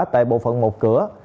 tại bộ phận một cửa